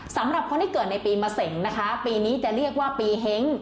สำหรับคนที่เกิดในปีมะเสงนะคะปีนี้จะเรียกว่าปีเฮ้ง